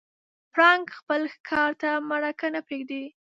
پړانګ خپل ښکار تر مرګه نه پرېږدي.